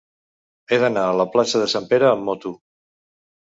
He d'anar a la plaça de Sant Pere amb moto.